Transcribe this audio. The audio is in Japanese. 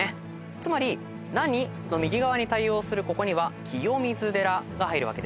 つまり「なに？」の右側に対応するここには「きよみずでら」が入るわけです。